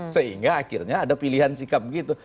sehingga akhirnya ada pilihan sikap begitu